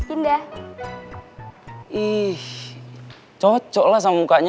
ii cocoklah sama mukanya